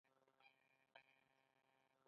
د پېښوري کمیډین خبره ده څوک یې پوښتنه کوي.